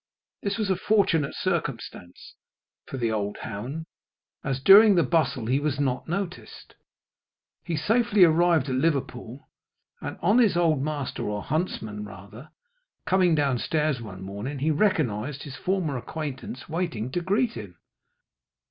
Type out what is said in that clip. This was a fortunate circumstance for the old hound, as during the bustle he was not noticed. He safely arrived at Liverpool, and on his old master, or huntsman rather, coming down stairs one morning, he recognised his former acquaintance waiting to greet him.